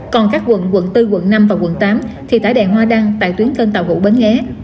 còn các quận bốn quận năm và quận tám thì thải đèn hoa đăng tại tuyến cơn tàu hữu bến nghé